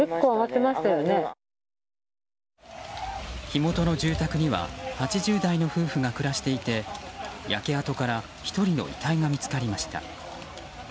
火元の住宅には８０代の夫婦が暮らしていて焼け跡から１人の遺体が見つかりました。